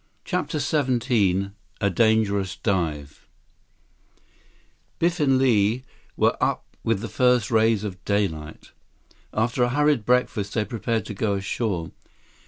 130 CHAPTER XVII A Dangerous Dive Biff and Li were up with the first rays of daylight. After a hurried breakfast, they prepared to go ashore.